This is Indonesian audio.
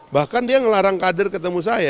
bahkan dia ngelarang kader ketemu saya